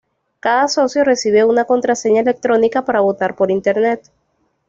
Cada socio recibe una contraseña electrónica para votar por Internet.